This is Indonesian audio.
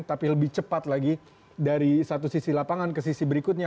tapi lebih cepat lagi dari satu sisi lapangan ke sisi berikutnya